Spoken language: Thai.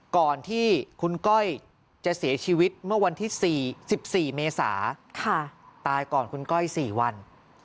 ก่อนที่คุณก้อยจะเสียชีวิตเมื่อวันที่๑๔เมษาตายก่อนคุณก้อย๔วัน